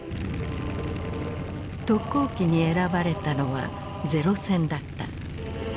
特攻機に選ばれたのは零戦だった。